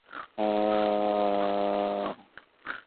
দুপুরে একটু খেতে গিয়েছিলেন কোয়ার্টারে।